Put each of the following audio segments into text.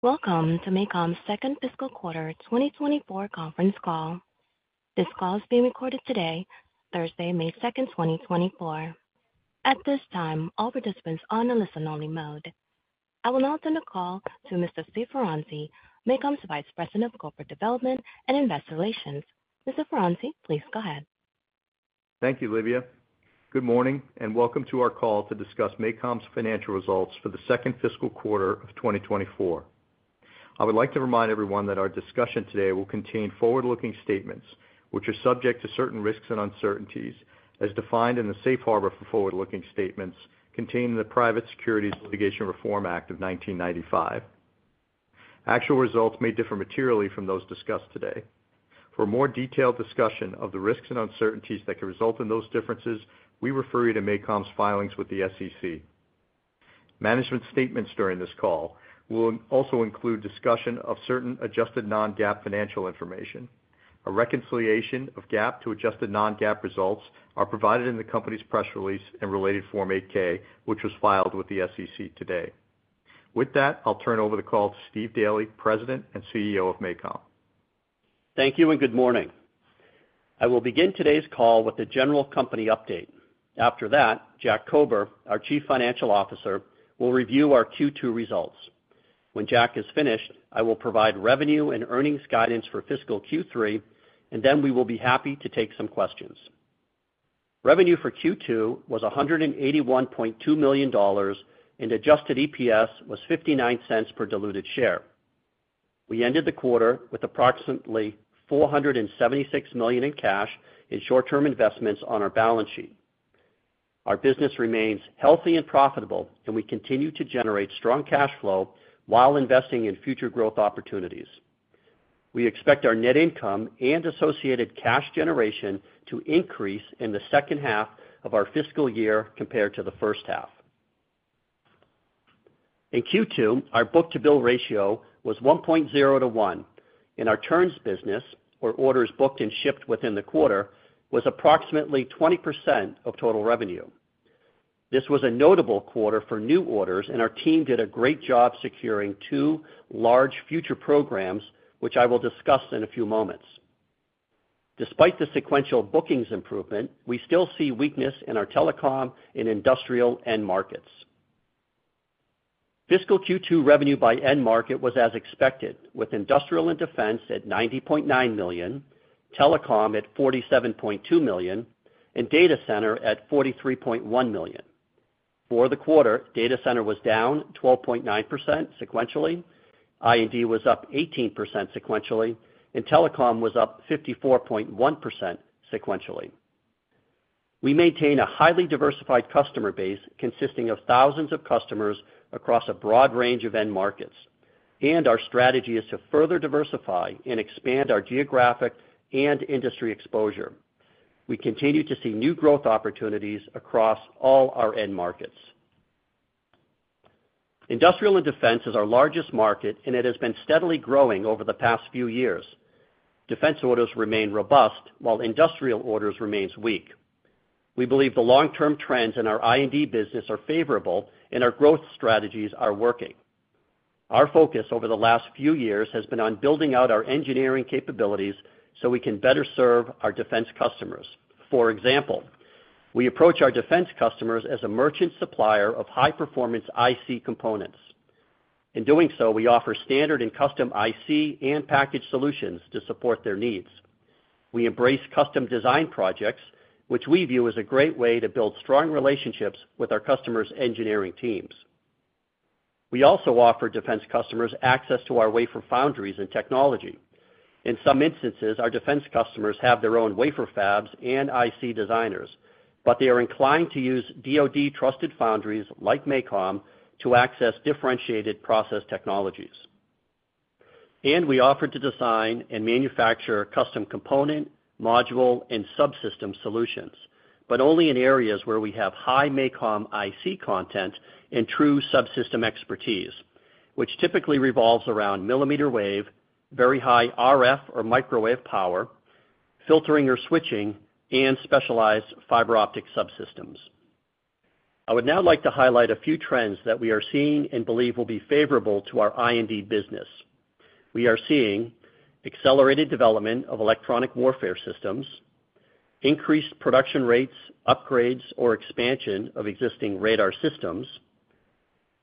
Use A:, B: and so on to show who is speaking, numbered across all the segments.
A: Welcome to MACOM's Second Fiscal Quarter 2024 Conference Call. This call is being recorded today, Thursday, May 2, 2024. At this time, all participants on a listen-only mode. I will now turn the call to Mr. Steve Ferranti, MACOM's Vice President of Corporate Development and Investor Relations. Mr. Ferranti, please go ahead.
B: Thank you, Livia. Good morning, and welcome to our call to discuss MACOM's financial results for the second fiscal quarter of 2024. I would like to remind everyone that our discussion today will contain forward-looking statements, which are subject to certain risks and uncertainties as defined in the safe harbor for forward-looking statements contained in the Private Securities Litigation Reform Act of 1995. Actual results may differ materially from those discussed today. For a more detailed discussion of the risks and uncertainties that could result in those differences, we refer you to MACOM's filings with the SEC. Management statements during this call will also include discussion of certain adjusted non-GAAP financial information. A reconciliation of GAAP to adjusted non-GAAP results are provided in the company's press release and related Form 8-K, which was filed with the SEC today. With that, I'll turn over the call to Steve Daly, President and CEO of MACOM.
C: Thank you, and good morning. I will begin today's call with a general company update. After that, Jack Kober, our Chief Financial Officer, will review our Q2 results. When Jack is finished, I will provide revenue and earnings guidance for fiscal Q3, and then we will be happy to take some questions. Revenue for Q2 was $181.2 million, and Adjusted EPS was $0.59 per diluted share. We ended the quarter with approximately $476 million in cash and short-term investments on our balance sheet. Our business remains healthy and profitable, and we continue to generate strong cash flow while investing in future growth opportunities. We expect our net income and associated cash generation to increase in the second half of our fiscal year compared to the first half. In Q2, our book-to-bill ratio was 1.0 to 1, and our turns business, where orders booked and shipped within the quarter, was approximately 20% of total revenue. This was a notable quarter for new orders, and our team did a great job securing two large future programs, which I will discuss in a few moments. Despite the sequential bookings improvement, we still see weakness in our Telecom and Industrial end markets. Fiscal Q2 revenue by end market was as expected, with Industrial and Defense at $90.9 million, Telecom at $47.2 million, and Data Center at $43.1 million. For the quarter, Data Center was down 12.9% sequentially, I&D was up 18% sequentially, and Telecom was up 54.1% sequentially. We maintain a highly diversified customer base consisting of thousands of customers across a broad range of end markets, and our strategy is to further diversify and expand our geographic and industry exposure. We continue to see new growth opportunities across all our end markets. Industrial and Defense is our largest market, and it has been steadily growing over the past few years. Defense orders remain robust, while Industrial orders remains weak. We believe the long-term trends in our I&D business are favorable, and our growth strategies are working. Our focus over the last few years has been on building out our engineering capabilities so we can better serve our defense customers. For example, we approach our defense customers as a merchant supplier of high-performance IC components. In doing so, we offer standard and custom IC and package solutions to support their needs. We embrace custom design projects, which we view as a great way to build strong relationships with our customers' engineering teams. We also offer defense customers access to our wafer foundries and technology. In some instances, our defense customers have their own wafer fabs and IC designers, but they are inclined to use DoD-trusted foundries like MACOM to access differentiated process technologies. We offer to design and manufacture custom component, module, and subsystem solutions, but only in areas where we have high MACOM IC content and true subsystem expertise, which typically revolves around millimeter wave, very high RF or microwave power, filtering or switching, and specialized fiber optic subsystems. I would now like to highlight a few trends that we are seeing and believe will be favorable to our I&D business. We are seeing accelerated development of electronic warfare systems, increased production rates, upgrades, or expansion of existing radar systems,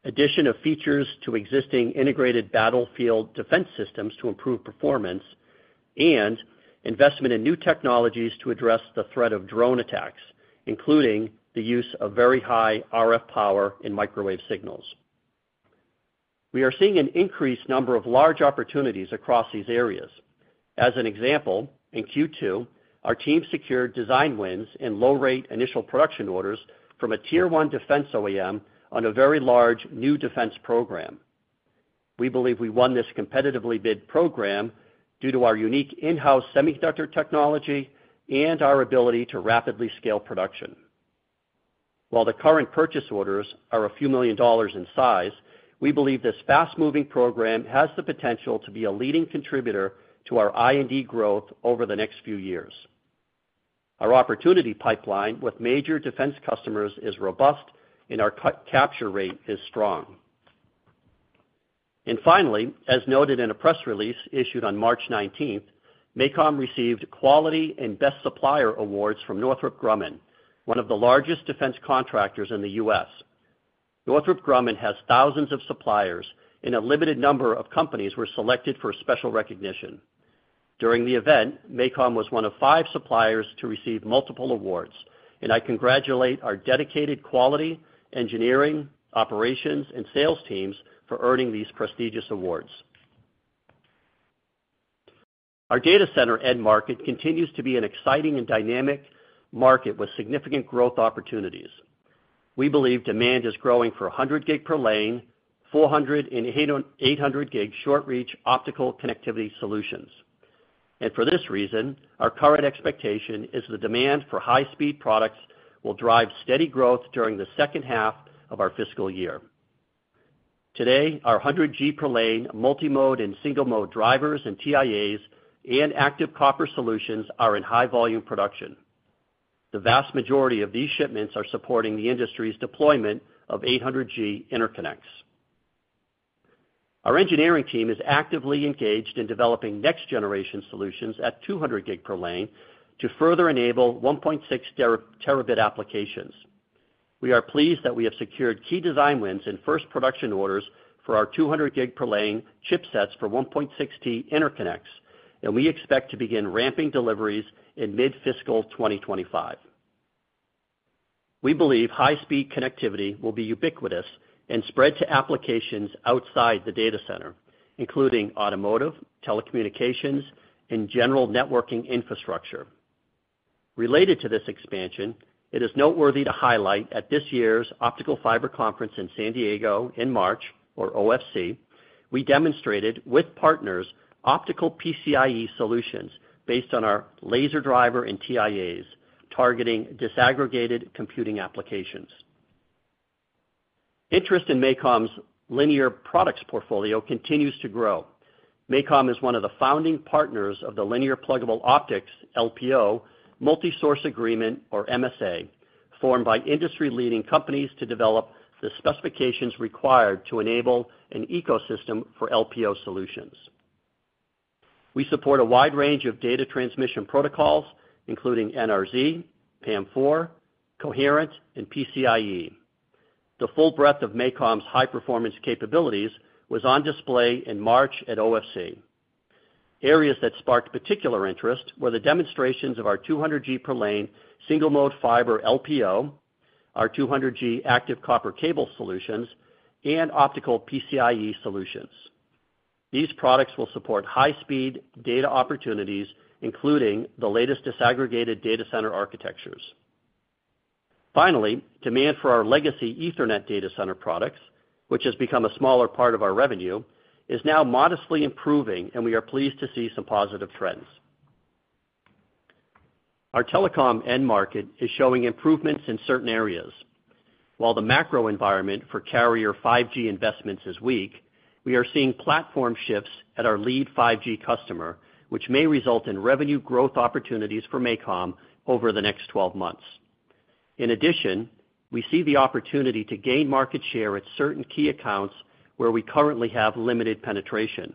C: addition of features to existing integrated battlefield defense systems to improve performance, and investment in new technologies to address the threat of drone attacks, including the use of very high RF power in microwave signals. We are seeing an increased number of large opportunities across these areas. As an example, in Q2, our team secured design wins and Low-Rate Initial Production orders from a tier one defense OEM on a very large new defense program. We believe we won this competitively bid program due to our unique in-house semiconductor technology and our ability to rapidly scale production. While the current purchase orders are a few million in size, we believe this fast-moving program has the potential to be a leading contributor to our I&D growth over the next few years. Our opportunity pipeline with major defense customers is robust, and our quote capture rate is strong. Finally, as noted in a press release issued on March nineteenth, MACOM received quality and best supplier awards from Northrop Grumman, one of the largest defense contractors in the U.S. Northrop Grumman has thousands of suppliers, and a limited number of companies were selected for special recognition. During the event, MACOM was one of five suppliers to receive multiple awards, and I congratulate our dedicated quality, engineering, operations, and sales teams for earning these prestigious awards. Our Data Center end market continues to be an exciting and dynamic market with significant growth opportunities. We believe demand is growing for 100G per lane, 400G and 800G short-reach optical connectivity solutions. For this reason, our current expectation is the demand for high-speed products will drive steady growth during the second half of our fiscal year. Today, our 100G per lane, multi-mode and single-mode drivers and TIAs and active copper solutions are in high volume production. The vast majority of these shipments are supporting the industry's deployment of 800G interconnects. Our engineering team is actively engaged in developing next-generation solutions at 200G per lane to further enable 1.6 terabit applications. We are pleased that we have secured key design wins and first production orders for our 200G per lane chipsets for 1.6T interconnects, and we expect to begin ramping deliveries in mid-fiscal 2025. We believe high-speed connectivity will be ubiquitous and spread to applications outside the Data Center, including automotive, telecommunications, and general networking infrastructure. Related to this expansion, it is noteworthy to highlight at this year's Optical Fiber Conference in San Diego in March, or OFC, we demonstrated with partners, optical PCIe solutions based on our laser driver and TIAs, targeting disaggregated computing applications. Interest in MACOM's linear products portfolio continues to grow. MACOM is one of the founding partners of the Linear Pluggable Optics, LPO, Multi-Source Agreement, or MSA, formed by industry-leading companies to develop the specifications required to enable an ecosystem for LPO solutions. We support a wide range of data transmission protocols, including NRZ, PAM4, coherent, and PCIe. The full breadth of MACOM's high-performance capabilities was on display in March at OFC. Areas that sparked particular interest were the demonstrations of our 200G per lane, single-mode fiber LPO, our 200G active copper cable solutions, and optical PCIe solutions. These products will support high-speed data opportunities, including the latest disaggregated data center architectures. Finally, demand for our legacy Ethernet data center products, which has become a smaller part of our revenue, is now modestly improving, and we are pleased to see some positive trends. Our Telecom end market is showing improvements in certain areas. While the macro environment for carrier 5G investments is weak, we are seeing platform shifts at our lead 5G customer, which may result in revenue growth opportunities for MACOM over the next 12 months. In addition, we see the opportunity to gain market share at certain key accounts where we currently have limited penetration.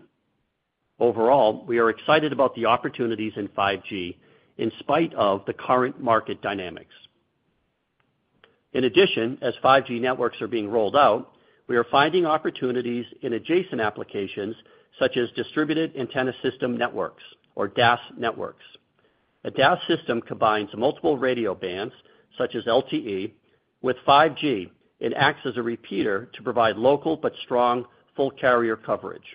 C: Overall, we are excited about the opportunities in 5G in spite of the current market dynamics. In addition, as 5G networks are being rolled out, we are finding opportunities in adjacent applications such as distributed antenna system networks or DAS networks. A DAS system combines multiple radio bands, such as LTE. With 5G, it acts as a repeater to provide local but strong full carrier coverage.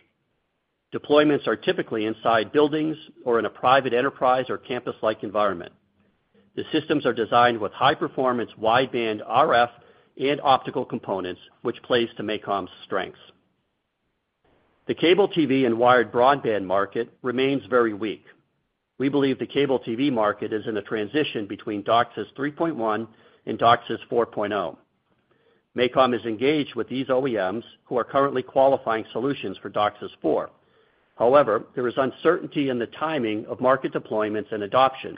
C: Deployments are typically inside buildings or in a private enterprise or campus-like environment. The systems are designed with high-performance, wideband RF and optical components, which plays to MACOM's strengths. The cable TV and wired broadband market remains very weak. We believe the cable TV market is in a transition between DOCSIS 3.1 and DOCSIS 4.0. MACOM is engaged with these OEMs, who are currently qualifying solutions for DOCSIS 4.0. However, there is uncertainty in the timing of market deployments and adoption,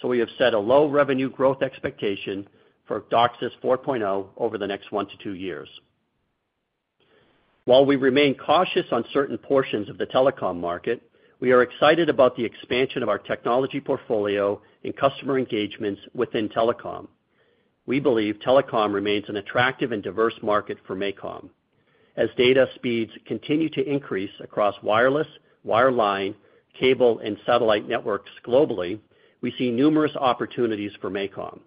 C: so we have set a low revenue growth expectation for DOCSIS 4.0 over the next 1-2 years. While we remain cautious on certain portions of the Telecom market, we are excited about the expansion of our technology portfolio and customer engagements within Telecom. We believe Telecom remains an attractive and diverse market for MACOM. As data speeds continue to increase across wireless, wireline, cable, and satellite networks globally, we see numerous opportunities for MACOM.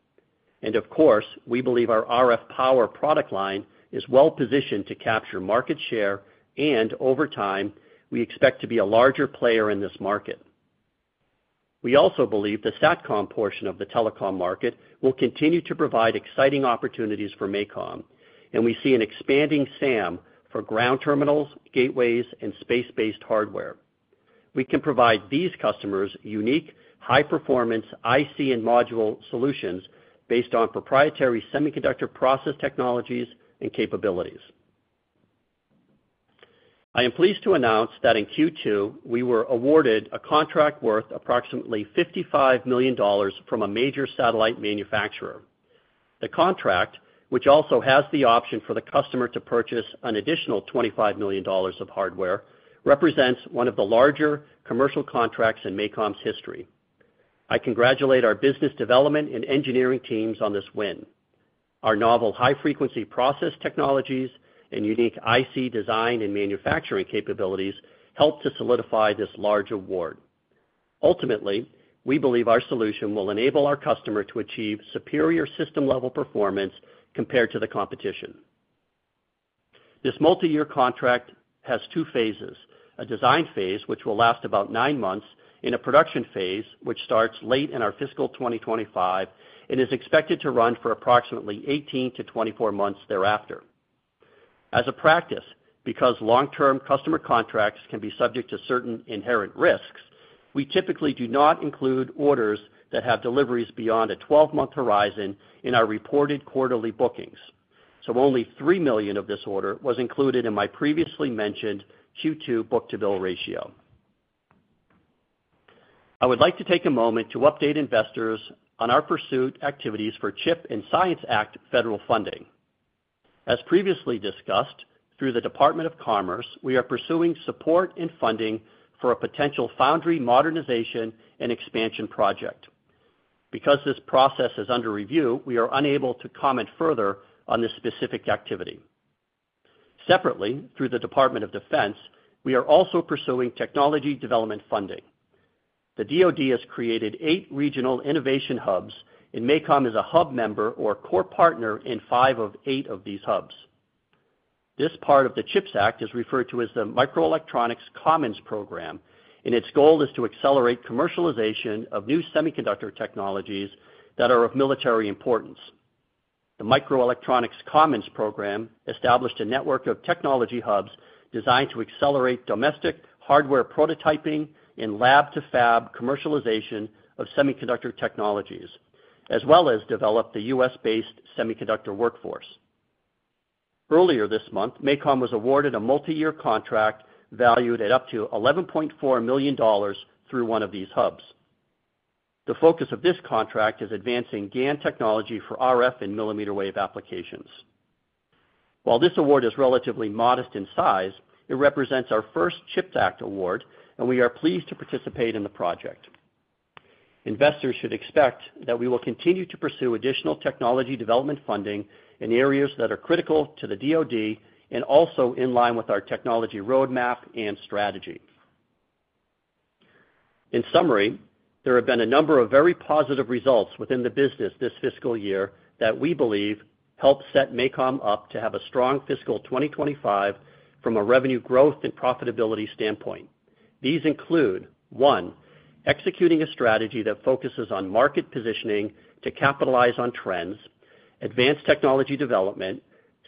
C: And of course, we believe our RF power product line is well positioned to capture market share, and over time, we expect to be a larger player in this market. We also believe the SatCom portion of the Telecom market will continue to provide exciting opportunities for MACOM, and we see an expanding SAM for ground terminals, gateways, and space-based hardware. We can provide these customers unique, high-performance IC and module solutions based on proprietary semiconductor process technologies and capabilities. I am pleased to announce that in Q2, we were awarded a contract worth approximately $55 million from a major satellite manufacturer. The contract, which also has the option for the customer to purchase an additional $25 million of hardware, represents one of the larger commercial contracts in MACOM's history. I congratulate our business development and engineering teams on this win. Our novel high-frequency process technologies and unique IC design and manufacturing capabilities helped to solidify this large award. Ultimately, we believe our solution will enable our customer to achieve superior system-level performance compared to the competition. This multiyear contract has two phases: a design phase, which will last about nine months, and a production phase, which starts late in our fiscal 2025 and is expected to run for approximately 18-24 months thereafter. As a practice, because long-term customer contracts can be subject to certain inherent risks, we typically do not include orders that have deliveries beyond a 12-month horizon in our reported quarterly bookings, so only $3 million of this order was included in my previously mentioned Q2 book-to-bill ratio. I would like to take a moment to update investors on our pursuit activities for CHIPS and Science Act federal funding. As previously discussed, through the Department of Commerce, we are pursuing support and funding for a potential foundry modernization and expansion project. Because this process is under review, we are unable to comment further on this specific activity. Separately, through the Department of Commerce, we are also pursuing technology development funding. The DoD has created eight regional innovation hubs, and MACOM is a hub member or core partner in five of eight of these hubs. This part of the CHIPS Act is referred to as the Microelectronics Commons Program, and its goal is to accelerate commercialization of new semiconductor technologies that are of military importance. The Microelectronics Commons Program established a network of technology hubs designed to accelerate domestic hardware prototyping and lab-to-fab commercialization of semiconductor technologies, as well as develop the U.S.-based semiconductor workforce. Earlier this month, MACOM was awarded a multiyear contract valued at up to $11.4 million through one of these hubs. The focus of this contract is advancing GaN technology for RF and millimeter wave applications. While this award is relatively modest in size, it represents our first CHIPS Act award, and we are pleased to participate in the project. Investors should expect that we will continue to pursue additional technology development funding in areas that are critical to the DoD and also in line with our technology roadmap and strategy. In summary, there have been a number of very positive results within the business this fiscal year that we believe help set MACOM up to have a strong fiscal 2025 from a revenue growth and profitability standpoint. These include, one, executing a strategy that focuses on market positioning to capitalize on trends, advanced technology development,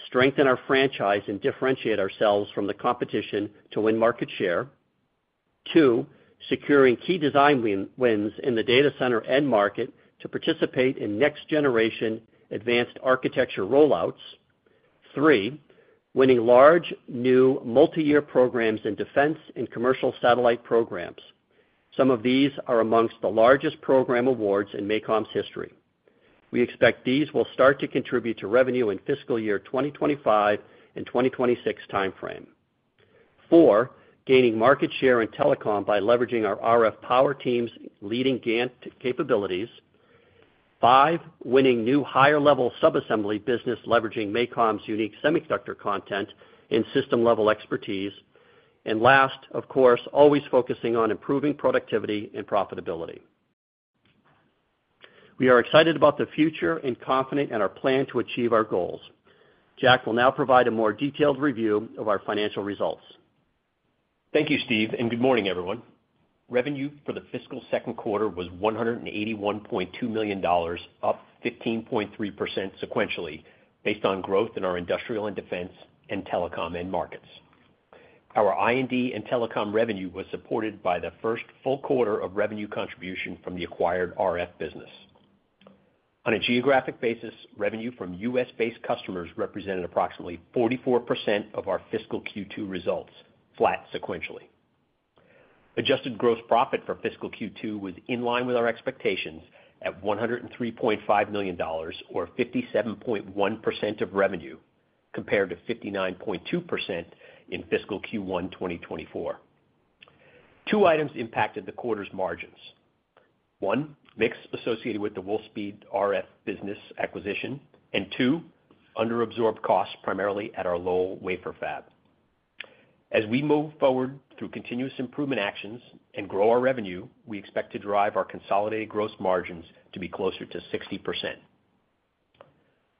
C: strengthen our franchise, and differentiate ourselves from the competition to win market share. Two, securing key design wins in the Data Center end market to participate in next-generation advanced architecture rollouts. 3, winning large, new multiyear programs in defense and commercial satellite programs. Some of these are among the largest program awards in MACOM's history. We expect these will start to contribute to revenue in fiscal year 2025 and 2026 timeframe. 4, gaining market share in Telecom by leveraging our RF power team's leading GaN capabilities. 5, winning new higher-level subassembly business, leveraging MACOM's unique semiconductor content and system-level expertise. And last, of course, always focusing on improving productivity and profitability. We are excited about the future and confident in our plan to achieve our goals. Jack will now provide a more detailed review of our financial results.
D: Thank you, Steve, and good morning, everyone. Revenue for the fiscal second quarter was $181.2 million, up 15.3% sequentially, based on growth in our Industrial and Defense and Telecom end markets. Our I&D and Telecom revenue was supported by the first full quarter of revenue contribution from the acquired RF business. On a geographic basis, revenue from U.S.-based customers represented approximately 44% of our fiscal Q2 results, flat sequentially. Adjusted gross profit for fiscal Q2 was in line with our expectations at $103.5 million, or 57.1% of revenue, compared to 59.2% in fiscal Q1 2024. Two items impacted the quarter's margins. One, mix associated with the Wolfspeed RF business acquisition, and two, under-absorbed costs, primarily at our Lowell wafer fab. As we move forward through continuous improvement actions and grow our revenue, we expect to drive our consolidated gross margins to be closer to 60%.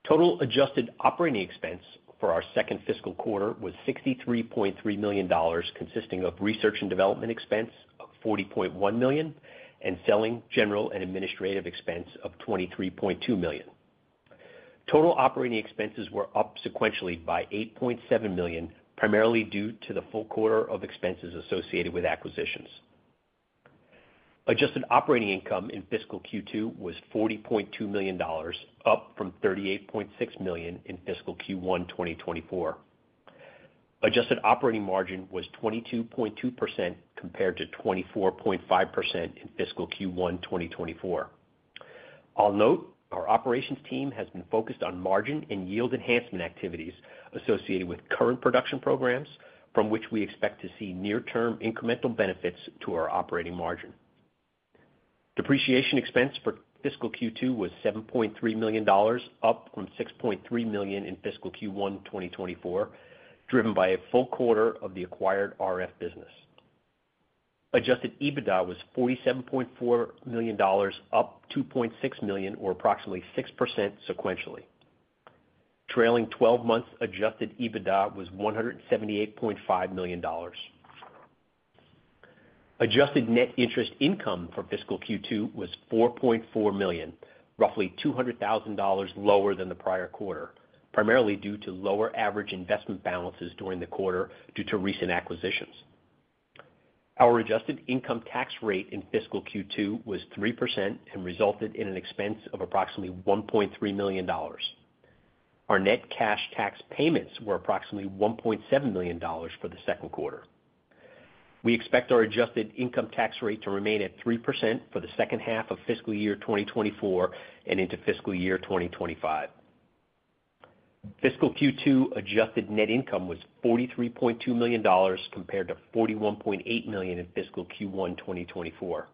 D: Total adjusted operating expense for our second fiscal quarter was $63.3 million, consisting of research and development expense of $40.1 million, and selling general and administrative expense of $23.2 million. Total operating expenses were up sequentially by $8.7 million, primarily due to the full quarter of expenses associated with acquisitions.... Adjusted operating income in fiscal Q2 was $40.2 million, up from $38.6 million in fiscal Q1, 2024. Adjusted operating margin was 22.2% compared to 24.5% in fiscal Q1, 2024. I'll note, our operations team has been focused on margin and yield enhancement activities associated with current production programs, from which we expect to see near-term incremental benefits to our operating margin. Depreciation expense for fiscal Q2 was $7.3 million, up from $6.3 million in fiscal Q1, 2024, driven by a full quarter of the acquired RF business. Adjusted EBITDA was $47.4 million, up $2.6 million, or approximately 6% sequentially. Trailing twelve months adjusted EBITDA was $178.5 million. Adjusted net interest income for fiscal Q2 was $4.4 million, roughly $200,000 lower than the prior quarter, primarily due to lower average investment balances during the quarter due to recent acquisitions. Our adjusted income tax rate in fiscal Q2 was 3% and resulted in an expense of approximately $1.3 million. Our net cash tax payments were approximately $1.7 million for the second quarter. We expect our adjusted income tax rate to remain at 3% for the second half of fiscal year 2024 and into fiscal year 2025. Fiscal Q2 adjusted net income was $43.2 million, compared to $41.8 million in fiscal Q1, 2024.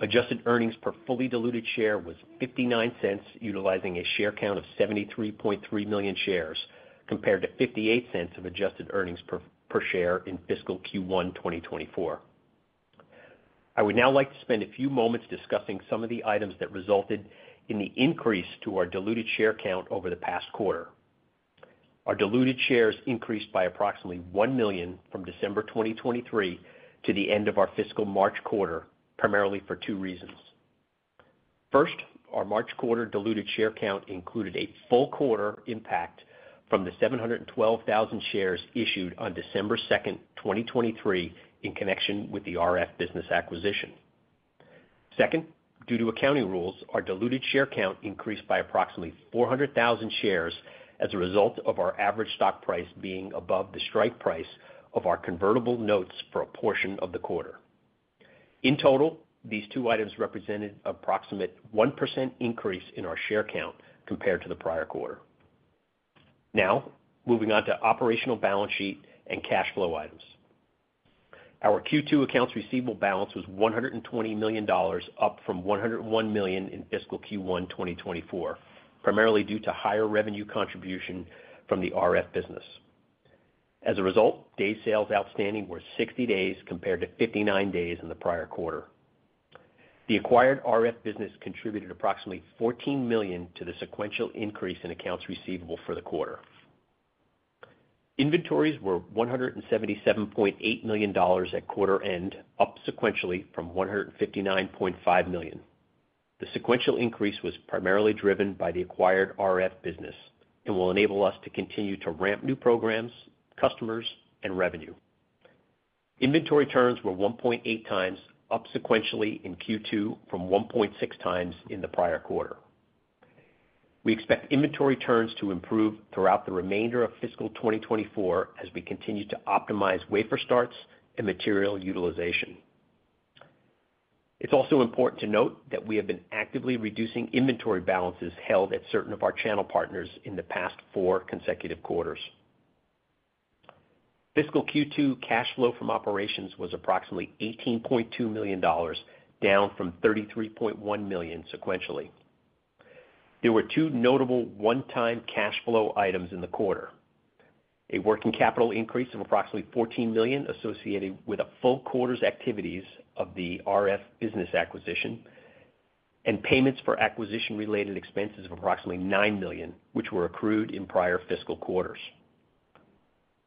D: Adjusted earnings per fully diluted share was $0.59, utilizing a share count of 73.3 million shares, compared to $0.58 of adjusted earnings per share in fiscal Q1, 2024. I would now like to spend a few moments discussing some of the items that resulted in the increase to our diluted share count over the past quarter. Our diluted shares increased by approximately 1 million from December 2023 to the end of our fiscal March quarter, primarily for two reasons. First, our March quarter diluted share count included a full quarter impact from the 712,000 shares issued on December 2, 2023, in connection with the RF business acquisition. Second, due to accounting rules, our diluted share count increased by approximately 400,000 shares as a result of our average stock price being above the strike price of our convertible notes for a portion of the quarter. In total, these two items represented approximate 1% increase in our share count compared to the prior quarter. Now, moving on to operational balance sheet and cash flow items. Our Q2 accounts receivable balance was $120 million, up from $101 million in fiscal Q1, 2024, primarily due to higher revenue contribution from the RF business. As a result, days sales outstanding were 60 days compared to 59 days in the prior quarter. The acquired RF business contributed approximately $14 million to the sequential increase in accounts receivable for the quarter. Inventories were $177.8 million at quarter end, up sequentially from $159.5 million. The sequential increase was primarily driven by the acquired RF business and will enable us to continue to ramp new programs, customers, and revenue. Inventory turns were 1.8 times, up sequentially in Q2 from 1.6 times in the prior quarter. We expect inventory turns to improve throughout the remainder of fiscal 2024, as we continue to optimize wafer starts and material utilization. It's also important to note that we have been actively reducing inventory balances held at certain of our channel partners in the past four consecutive quarters. Fiscal Q2 cash flow from operations was approximately $18.2 million, down from $33.1 million sequentially. There were two notable one-time cash flow items in the quarter. A working capital increase of approximately $14 million, associated with a full quarter's activities of the RF business acquisition, and payments for acquisition-related expenses of approximately $9 million, which were accrued in prior fiscal quarters.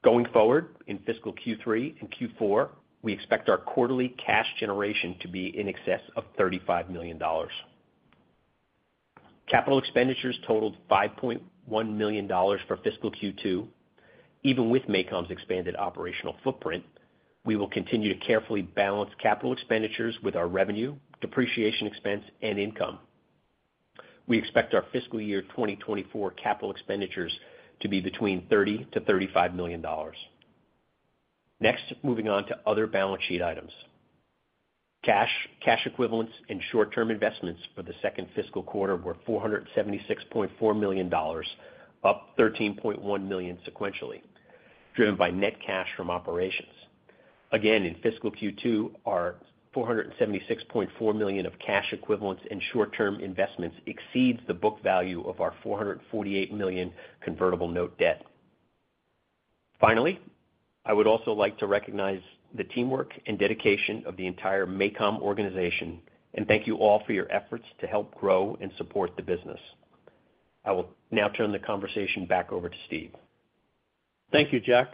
D: Going forward, in fiscal Q3 and Q4, we expect our quarterly cash generation to be in excess of $35 million. Capital expenditures totaled $5.1 million for fiscal Q2. Even with MACOM's expanded operational footprint, we will continue to carefully balance capital expenditures with our revenue, depreciation expense, and income. We expect our fiscal year 2024 capital expenditures to be between $30-$35 million. Next, moving on to other balance sheet items. Cash, cash equivalents, and short-term investments for the second fiscal quarter were $476.4 million, up $13.1 million sequentially, driven by net cash from operations. Again, in fiscal Q2, our $476.4 million of cash equivalents and short-term investments exceeds the book value of our $448 million convertible note debt. Finally, I would also like to recognize the teamwork and dedication of the entire MACOM organization, and thank you all for your efforts to help grow and support the business. I will now turn the conversation back over to Steve.
C: Thank you, Jack.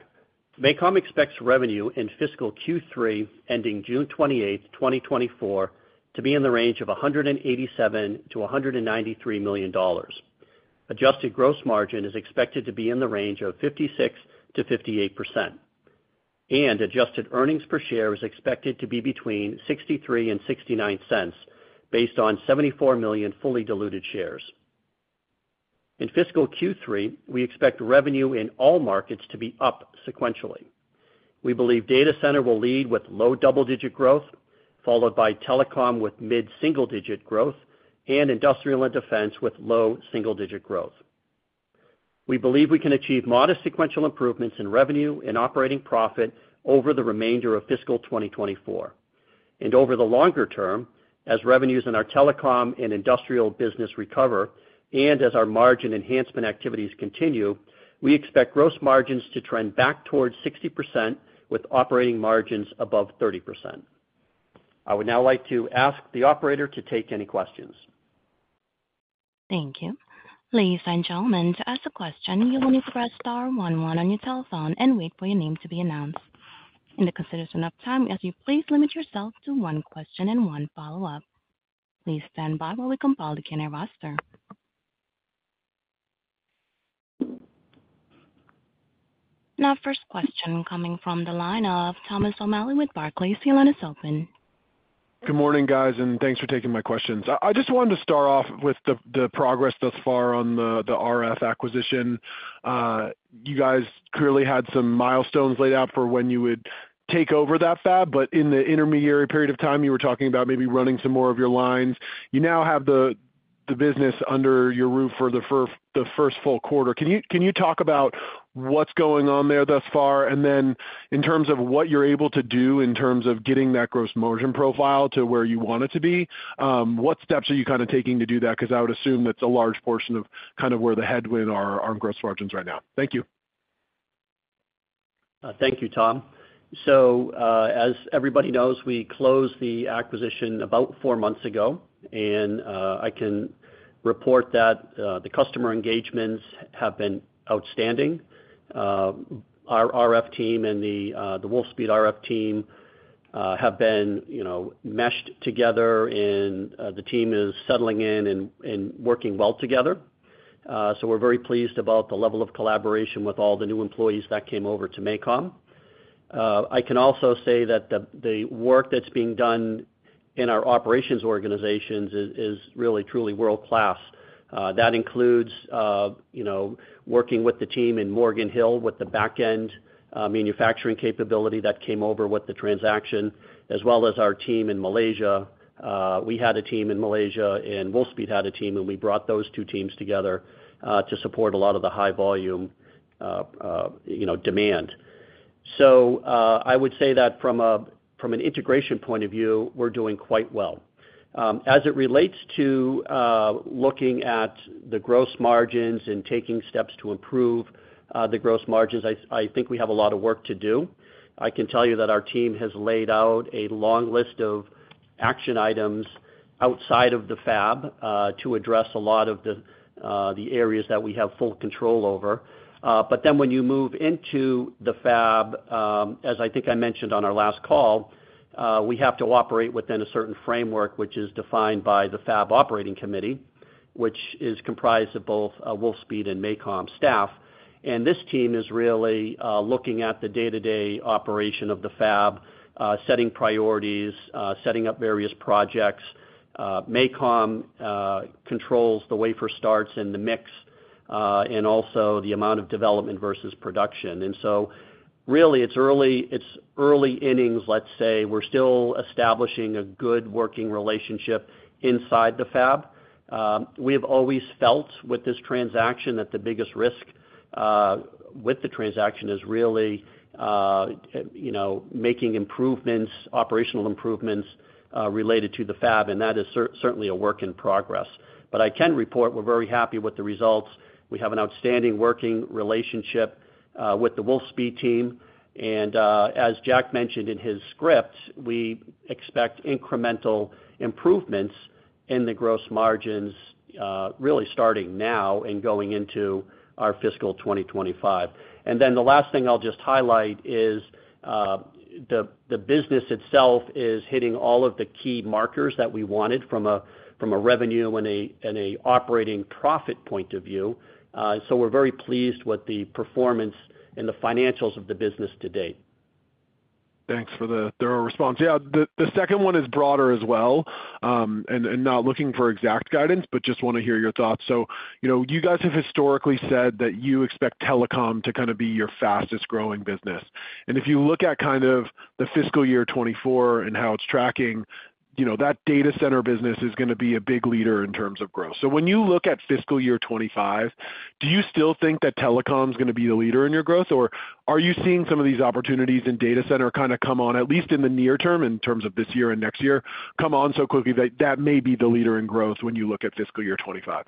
C: MACOM expects revenue in fiscal Q3, ending June 28, 2024, to be in the range of $187 million-$193 million. Adjusted gross margin is expected to be in the range of 56%-58%, and adjusted earnings per share is expected to be between $0.63-$0.69, based on 74 million fully diluted shares. In fiscal Q3, we expect revenue in all markets to be up sequentially. We believe Data Center will lead with low double-digit growth, followed by Telecom with mid-single-digit growth, and Industrial and Defense with low single-digit growth. We believe we can achieve modest sequential improvements in revenue and operating profit over the remainder of fiscal 2024. Over the longer term, as revenues in our Telecom and Industrial business recover, and as our margin enhancement activities continue, we expect gross margins to trend back towards 60%, with operating margins above 30%. I would now like to ask the operator to take any questions.
A: Thank you. Ladies and gentlemen, to ask a question, you will need to press star one one on your telephone and wait for your name to be announced. In the consideration of time, as you please, limit yourself to one question and one follow-up. Please stand by while we compile the Q&A roster. Now, first question coming from the line of Thomas O'Malley with Barclays. Your line is open.
E: Good morning, guys, and thanks for taking my questions. I just wanted to start off with the progress thus far on the RF acquisition. You guys clearly had some milestones laid out for when you would take over that fab, but in the intermediary period of time, you were talking about maybe running some more of your lines. You now have the business under your roof for the first full quarter. Can you talk about what's going on there thus far? And then in terms of what you're able to do in terms of getting that gross margin profile to where you want it to be, what steps are you kind of taking to do that? Because I would assume that's a large portion of kind of where the headwind are on our gross margins right now. Thank you.
C: Thank you, Tom. So, as everybody knows, we closed the acquisition about four months ago, and I can report that the customer engagements have been outstanding. Our RF team and the Wolfspeed RF team have been, you know, meshed together and the team is settling in and working well together. So we're very pleased about the level of collaboration with all the new employees that came over to MACOM. I can also say that the work that's being done in our operations organizations is really, truly world-class. That includes, you know, working with the team in Morgan Hill, with the back-end manufacturing capability that came over with the transaction, as well as our team in Malaysia. We had a team in Malaysia, and Wolfspeed had a team, and we brought those two teams together to support a lot of the high volume, you know, demand. So, I would say that from an integration point of view, we're doing quite well. As it relates to looking at the gross margins and taking steps to improve the gross margins, I think we have a lot of work to do. I can tell you that our team has laid out a long list of action items outside of the fab to address a lot of the areas that we have full control over. But then when you move into the fab, as I think I mentioned on our last call, we have to operate within a certain framework, which is defined by the Fab Operating Committee, which is comprised of both, Wolfspeed and MACOM staff. And this team is really, looking at the day-to-day operation of the fab, setting priorities, setting up various projects. MACOM controls the wafer starts and the mix, and also the amount of development versus production. And so really, it's early, it's early innings, let's say. We're still establishing a good working relationship inside the fab. We have always felt with this transaction that the biggest risk, with the transaction is really, you know, making improvements, operational improvements, related to the fab, and that is certainly a work in progress. But I can report we're very happy with the results. We have an outstanding working relationship with the Wolfspeed team, and as Jack mentioned in his script, we expect incremental improvements in the gross margins, really starting now and going into our fiscal 2025. And then the last thing I'll just highlight is the business itself is hitting all of the key markers that we wanted from a revenue and an operating profit point of view. So we're very pleased with the performance and the financials of the business to date.
E: Thanks for the thorough response. Yeah, the second one is broader as well, and not looking for exact guidance, but just wanna hear your thoughts. So, you know, you guys have historically said that you expect Telecom to kind of be your fastest-growing business. And if you look at kind of the fiscal year 2024 and how it's tracking, you know, that Data Center business is gonna be a big leader in terms of growth. So when you look at fiscal year 2025, do you still think that Telecom is gonna be the leader in your growth, or are you seeing some of these opportunities in Data Center kind of come on, at least in the near term, in terms of this year and next year, come on so quickly that that may be the leader in growth when you look at fiscal year 2025?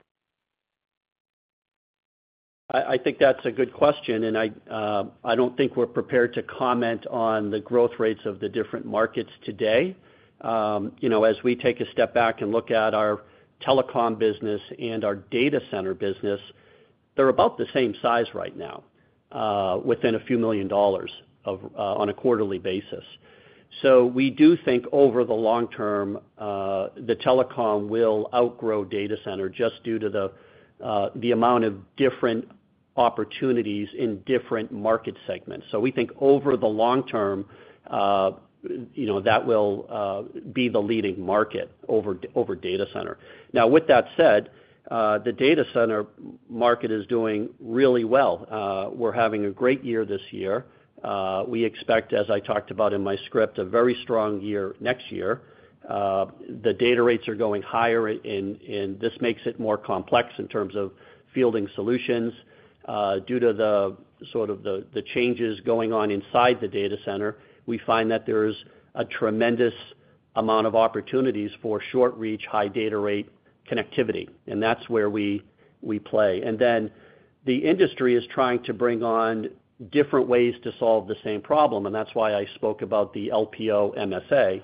C: I think that's a good question, and I don't think we're prepared to comment on the growth rates of the different markets today. You know, as we take a step back and look at our Telecom business and our Data Center business. They're about the same size right now, within a few million dollars of, on a quarterly basis. So we do think over the long term, the Telecom will outgrow Data Center just due to the amount of different opportunities in different market segments. So we think over the long term, you know, that will be the leading market over Data Center. Now, with that said, the Data Center market is doing really well. We're having a great year this year. We expect, as I talked about in my script, a very strong year next year. The data rates are going higher, and this makes it more complex in terms of fielding solutions. Due to the sort of changes going on inside the Data Center, we find that there's a tremendous amount of opportunities for short reach, high data rate connectivity, and that's where we play. And then the industry is trying to bring on different ways to solve the same problem, and that's why I spoke about the LPO MSA,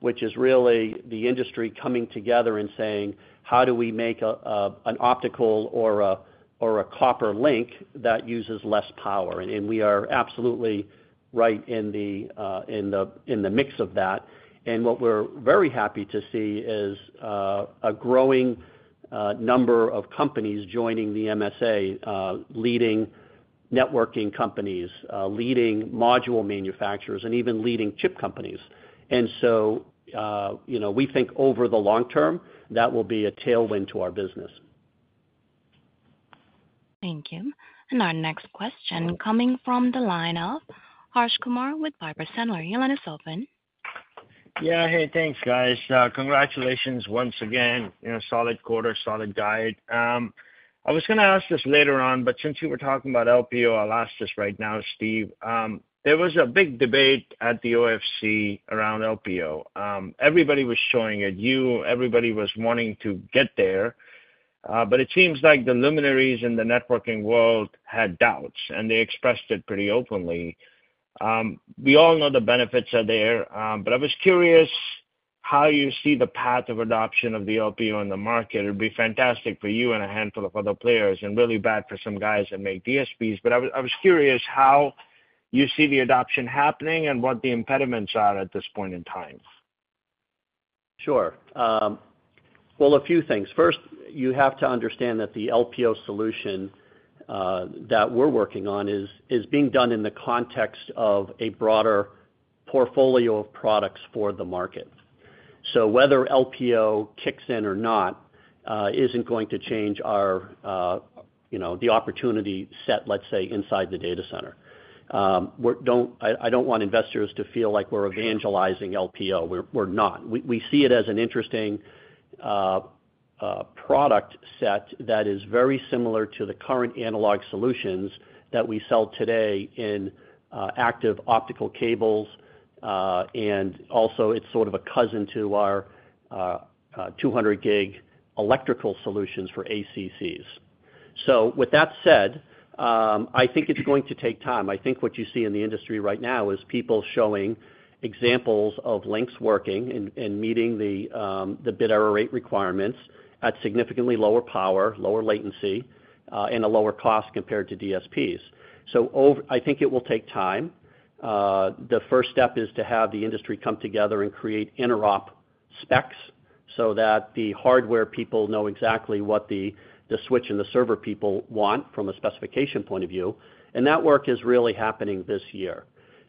C: which is really the industry coming together and saying, "How do we make an optical or a copper link that uses less power?" And we are absolutely right in the mix of that. What we're very happy to see is a growing number of companies joining the MSA, leading networking companies, leading module manufacturers, and even leading chip companies. So you know, we think over the long term, that will be a tailwind to our business.
A: Thank you. And our next question coming from the line of Harsh Kumar with Piper Sandler. Your line is open.
F: Yeah. Hey, thanks, guys. Congratulations once again, you know, solid quarter, solid guide. I was gonna ask this later on, but since you were talking about LPO, I'll ask this right now, Steve. There was a big debate at the OFC around LPO. Everybody was showing it. You, everybody was wanting to get there, but it seems like the luminaries in the networking world had doubts, and they expressed it pretty openly. We all know the benefits are there, but I was curious how you see the path of adoption of the LPO in the market. It'd be fantastic for you and a handful of other players, and really bad for some guys that make DSPs. But I was curious how you see the adoption happening and what the impediments are at this point in time.
C: Sure. Well, a few things. First, you have to understand that the LPO solution that we're working on is being done in the context of a broader portfolio of products for the market. So whether LPO kicks in or not isn't going to change our, you know, the opportunity set, let's say, inside the Data Center. I don't want investors to feel like we're evangelizing LPO. We're not. We see it as an interesting product set that is very similar to the current analog solutions that we sell today in active optical cables, and also it's sort of a cousin to our 200 gig electrical solutions for ACCs. So with that said, I think it's going to take time. I think what you see in the industry right now is people showing examples of links working and meeting the bit error rate requirements at significantly lower power, lower latency, and a lower cost compared to DSPs. So I think it will take time. The first step is to have the industry come together and create interop specs so that the hardware people know exactly what the switch and the server people want from a specification point of view. And that work is really happening this year.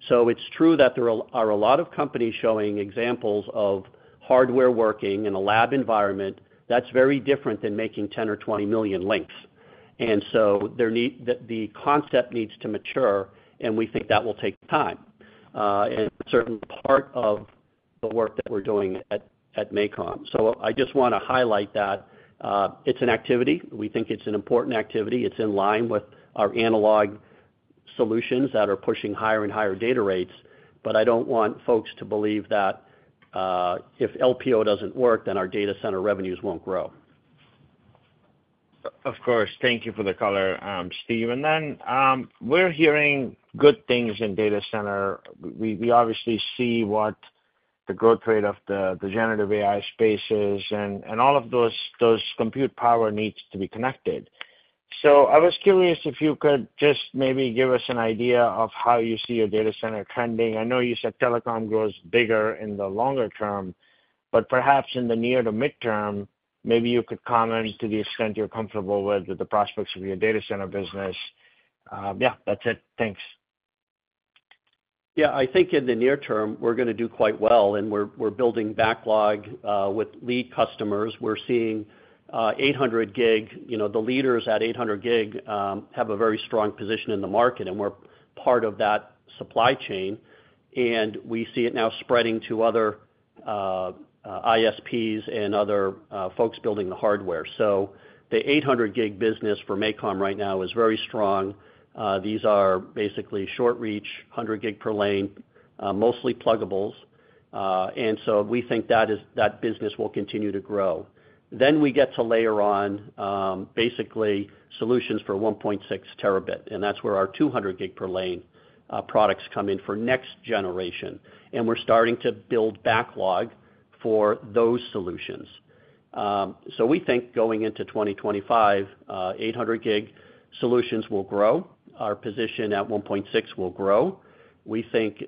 C: So it's true that there are a lot of companies showing examples of hardware working in a lab environment. That's very different than making 10 or 20 million links. And so the concept needs to mature, and we think that will take time, and certain part of the work that we're doing at MACOM. So I just wanna highlight that, it's an activity. We think it's an important activity. It's in line with our analog solutions that are pushing higher and higher data rates, but I don't want folks to believe that, if LPO doesn't work, then our Data Center revenues won't grow.
F: Of course. Thank you for the color, Steve. And then, we're hearing good things in Data Center. We obviously see what the growth rate of the generative AI space is, and all of those compute power needs to be connected. So I was curious if you could just maybe give us an idea of how you see your Data Center trending. I know you said Telecom grows bigger in the longer term, but perhaps in the near to midterm, maybe you could comment, to the extent you're comfortable with, with the prospects of your Data Center business. Yeah, that's it. Thanks.
C: Yeah. I think in the near term, we're gonna do quite well, and we're building backlog with lead customers. We're seeing 800 gig. You know, the leaders at 800 gig have a very strong position in the market, and we're part of that supply chain, and we see it now spreading to other ISPs and other folks building the hardware. So the 800 gig business for MACOM right now is very strong. These are basically short reach, 100 gig per lane, mostly pluggables. And so we think that business will continue to grow. Then we get to layer on basically solutions for 1.6 terabit, and that's where our 200 gig per lane products come in for next generation. And we're starting to build backlog for those solutions. So we think going into 2025, 800G solutions will grow. Our position at 1.6T will grow. We think,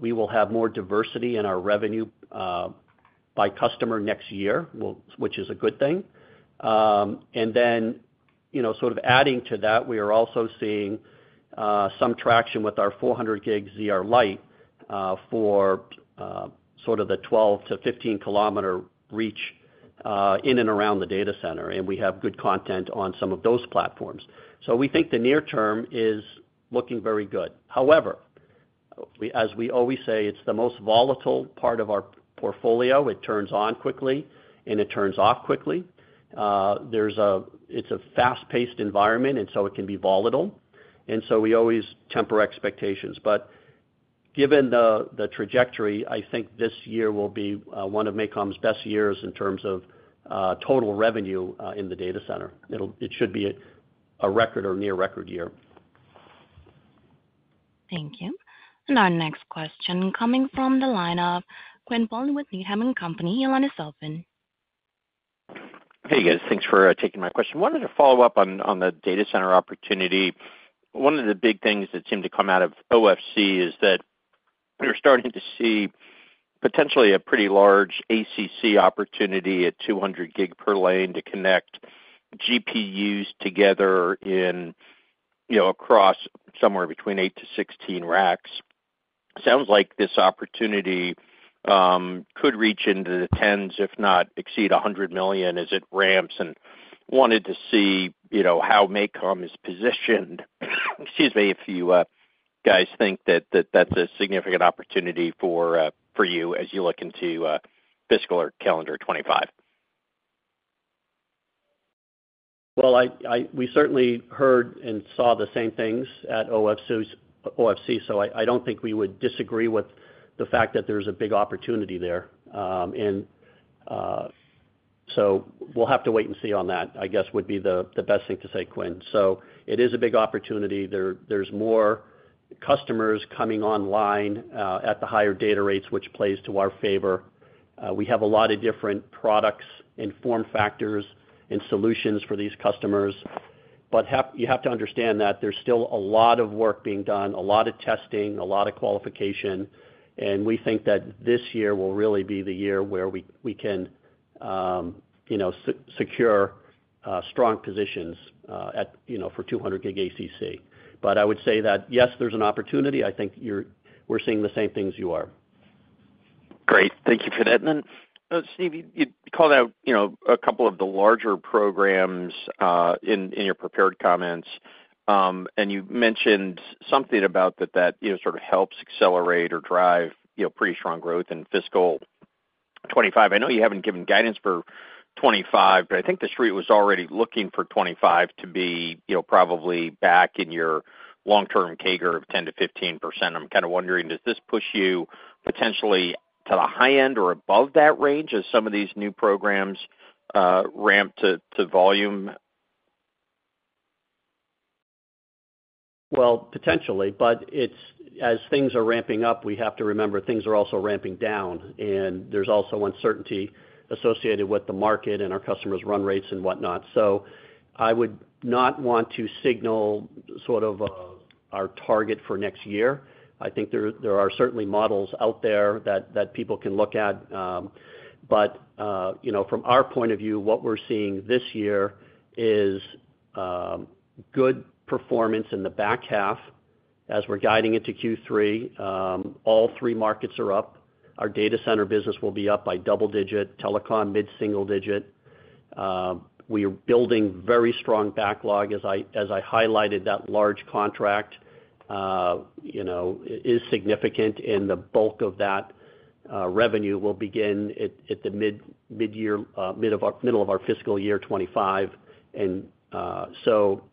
C: we will have more diversity in our revenue, by customer next year, we'll, which is a good thing. And then, you know, sort of adding to that, we are also seeing some traction with our 400G ZR Lite, for sort of the 12-15 km reach, in and around the Data Center, and we have good content on some of those platforms. So we think the near term is looking very good. However, as we always say, it's the most volatile part of our portfolio. It turns on quickly, and it turns off quickly. There is. It's a fast-paced environment, and so it can be volatile, and so we always temper expectations. But given the trajectory, I think this year will be one of MACOM's best years in terms of total revenue in the Data Center. It'll. It should be a record or near record year.
A: Thank you. Our next question coming from the line of Quinn Bolton with Needham & Company. Your line is open.
G: Hey, guys. Thanks for taking my question. Wanted to follow up on the Data Center opportunity. One of the big things that seemed to come out of OFC is that we're starting to see potentially a pretty large ACC opportunity at 200G per lane to connect GPUs together in, you know, across somewhere between 8-16 racks. Sounds like this opportunity could reach into the tens, if not exceed $100 million as it ramps, and wanted to see, you know, how MACOM is positioned. Excuse me, if you guys think that that's a significant opportunity for you as you look into fiscal or calendar 2025.
C: Well, we certainly heard and saw the same things at OFC, so I don't think we would disagree with the fact that there's a big opportunity there. So we'll have to wait and see on that, I guess, would be the best thing to say, Quinn. So it is a big opportunity. There's more customers coming online at the higher data rates, which plays to our favor. We have a lot of different products and form factors and solutions for these customers. But you have to understand that there's still a lot of work being done, a lot of testing, a lot of qualification, and we think that this year will really be the year where we can, you know, secure strong positions at, you know, for 200 gig ACC. I would say that, yes, there's an opportunity. I think we're seeing the same thing as you are.
G: Great. Thank you for that. And then, Steve, you called out, you know, a couple of the larger programs in your prepared comments. And you mentioned something about that that, you know, sort of helps accelerate or drive, you know, pretty strong growth in fiscal 2025. I know you haven't given guidance for 2025, but I think the street was already looking for 2025 to be, you know, probably back in your long-term CAGR of 10%-15%. I'm kind of wondering, does this push you potentially to the high end or above that range as some of these new programs ramp to volume?
C: Well, potentially, but it's—as things are ramping up, we have to remember, things are also ramping down, and there's also uncertainty associated with the market and our customers' run rates and whatnot. So I would not want to signal sort of our target for next year. I think there, there are certainly models out there that, that people can look at. But, you know, from our point of view, what we're seeing this year is good performance in the back half as we're guiding into Q3. All three markets are up. Our Data Center business will be up by double-digit, telecom, mid-single-digit. We are building very strong backlog. As I highlighted, that large contract, you know, is significant, and the bulk of that revenue will begin at the middle of our fiscal year 2025. And so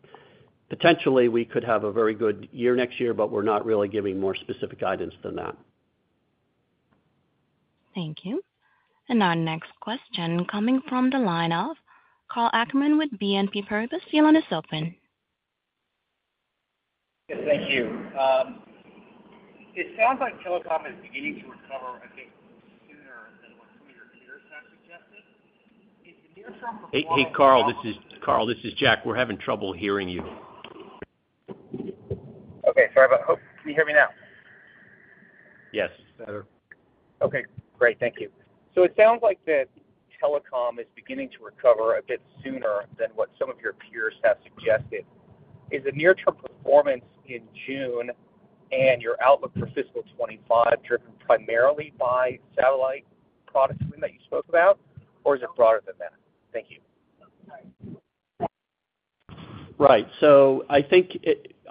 C: potentially, we could have a very good year next year, but we're not really giving more specific guidance than that.
A: Thank you. Our next question coming from the line of Karl Ackerman with BNP Paribas. Your line is open.
H: Yes, thank you. It sounds like Telecom is beginning to recover, I think, sooner than what some of your peers have suggested. Is the near-term performance-
D: Hey, hey, Carl, this is Carl, this is Jack. We're having trouble hearing you.
H: Okay. Sorry about... Oh, can you hear me now?
D: Yes, better.
H: Okay, great. Thank you. So it sounds like that Telecom is beginning to recover a bit sooner than what some of your peers have suggested. Is the near-term performance in June and your outlook for fiscal 2025, driven primarily by satellite products that you spoke about, or is it broader than that? Thank you.
C: Right. So I think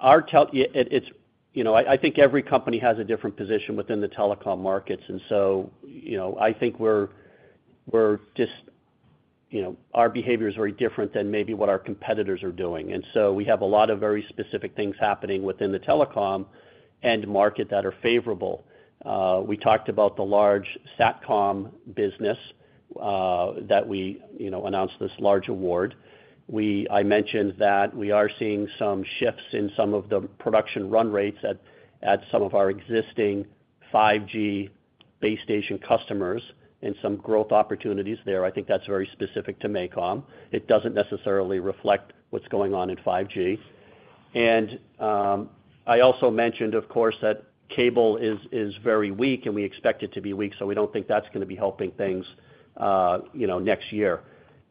C: it's our Telecom. You know, I think every company has a different position within the Telecom markets, and so, you know, I think we're just, you know, our behavior is very different than maybe what our competitors are doing. And so we have a lot of very specific things happening within the Telecom end market that are favorable. We talked about the large SatCom business that we announced this large award. I mentioned that we are seeing some shifts in some of the production run rates at some of our existing 5G base station customers and some growth opportunities there. I think that's very specific to MACOM. It doesn't necessarily reflect what's going on in 5G. I also mentioned, of course, that cable is very weak, and we expect it to be weak, so we don't think that's gonna be helping things, you know, next year.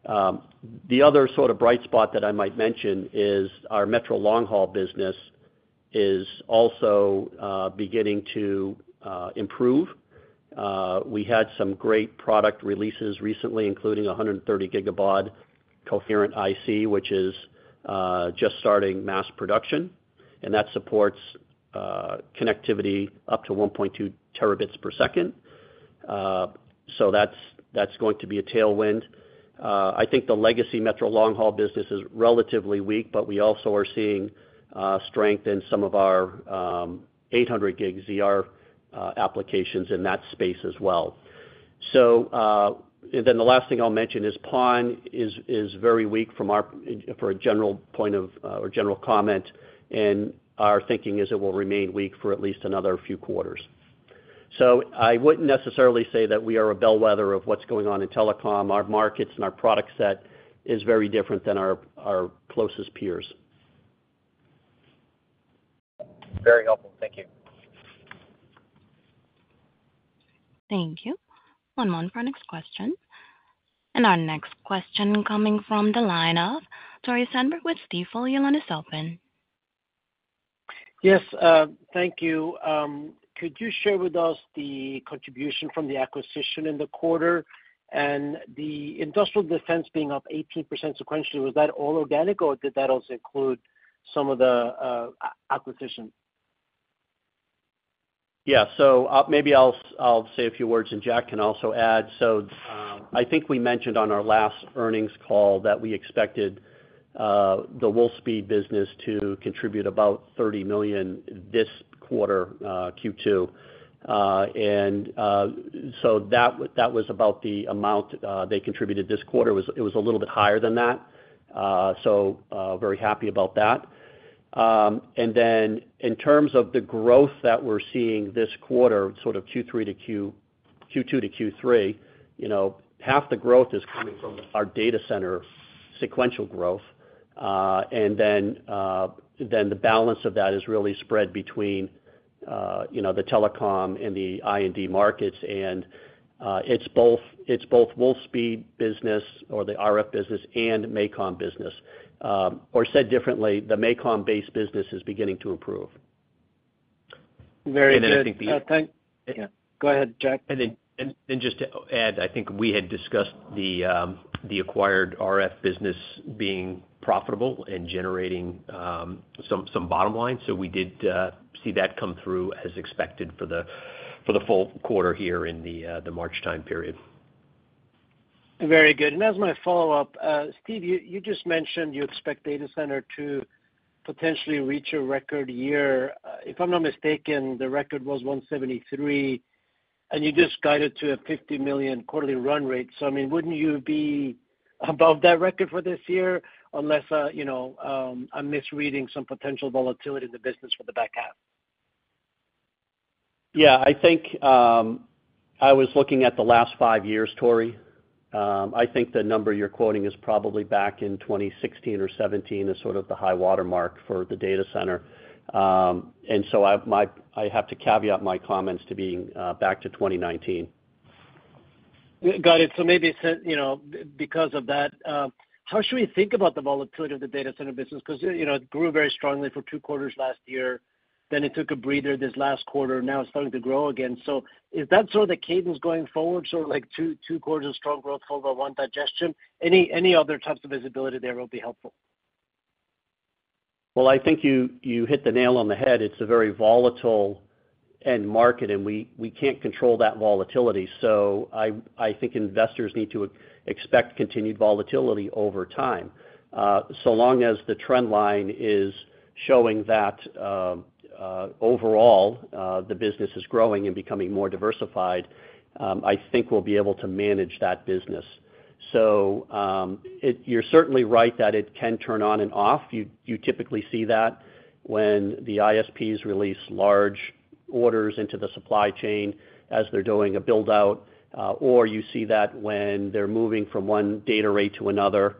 C: The other sort of bright spot that I might mention is our metro long-haul business is also beginning to improve. We had some great product releases recently, including 130 gigabaud coherent IC, which is just starting mass production, and that supports connectivity up to 1.2 terabits per second. So that's going to be a tailwind. I think the legacy metro long-haul business is relatively weak, but we also are seeing strength in some of our 800G ZR applications in that space as well. So, and then the last thing I'll mention is PON is very weak for a general point of view or general comment, and our thinking is it will remain weak for at least another few quarters. So I wouldn't necessarily say that we are a bellwether of what's going on in Telecom. Our markets and our product set is very different than our closest peers.
H: Very helpful. Thank you.
A: Thank you. One moment for our next question. Our next question coming from the line of Tore Svanberg with Stifel. Your line is open.
I: Yes, thank you. Could you share with us the contribution from the acquisition in the quarter, and the Industrial and Defense being up 18% sequentially, was that all organic, or did that also include some of the acquisition?
C: Yeah. So, maybe I'll say a few words, and Jack can also add. So, I think we mentioned on our last earnings call that we expected the Wolfspeed business to contribute about $30 million this quarter, Q2. And so that was about the amount they contributed this quarter. It was a little bit higher than that, so very happy about that. And then in terms of the growth that we're seeing this quarter, sort of Q2 to Q3, you know, half the growth is coming from our Data Center sequential growth. And then the balance of that is really spread between, you know, the Telecom and the I&D markets, and it's both Wolfspeed business or the RF business and MACOM business. Or said differently, the MACOM base business is beginning to improve.
I: Very good.
D: And then I think the-
I: Yeah, go ahead, Jack.
D: And then just to add, I think we had discussed the acquired RF business being profitable and generating some bottom line. So we did see that come through as expected for the full quarter here in the March time period.
I: Very good. And as my follow-up, Steve, you just mentioned you expect Data Center to potentially reach a record year. If I'm not mistaken, the record was $173 million, and you just guided to a $50 million quarterly run rate. So I mean, wouldn't you be above that record for this year? Unless, you know, I'm misreading some potential volatility in the business for the back half.
C: Yeah, I think I was looking at the last five years, Tore. I think the number you're quoting is probably back in 2016 or 2017, as sort of the high watermark for the Data Center. And so I have to caveat my comments to being back to 2019.
I: Got it. So maybe, you know, because of that, how should we think about the volatility of the Data Center business? Because, you know, it grew very strongly for two quarters last year, then it took a breather this last quarter. Now it's starting to grow again. So is that sort of the cadence going forward, sort of like two quarters of strong growth followed by one digestion? Any other types of visibility there will be helpful.
C: Well, I think you hit the nail on the head. It's a very volatile end market, and we can't control that volatility. So I think investors need to expect continued volatility over time. So long as the trend line is showing that overall the business is growing and becoming more diversified, I think we'll be able to manage that business. So, you're certainly right that it can turn on and off. You typically see that when the ISPs release large orders into the supply chain as they're doing a build-out, or you see that when they're moving from one data rate to another.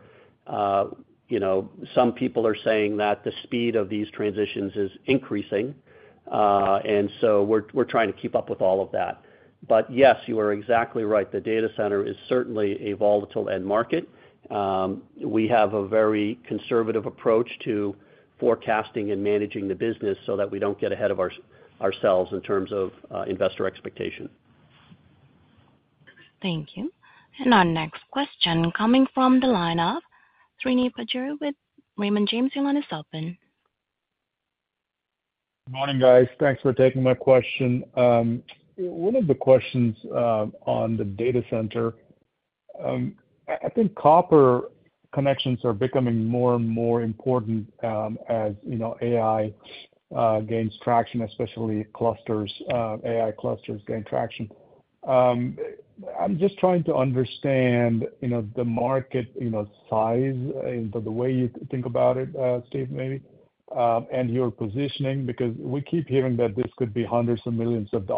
C: You know, some people are saying that the speed of these transitions is increasing, and so we're trying to keep up with all of that. But yes, you are exactly right. The Data Center is certainly a volatile end market. We have a very conservative approach to forecasting and managing the business so that we don't get ahead of ourselves in terms of investor expectation.
A: Thank you. Our next question coming from the line of Srini Pajjuri with Raymond James. Your line is open.
J: Good morning, guys. Thanks for taking my question. One of the questions on the Data Center, I think copper connections are becoming more and more important, as you know, AI gains traction, especially AI clusters gain traction. I'm just trying to understand, you know, the market, you know, size and the way you think about it, Steve, maybe, and your positioning, because we keep hearing that this could be hundreds of millions of